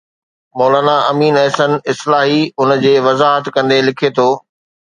مولانا امين احسن اصلاحي ان جي وضاحت ڪندي لکي ٿو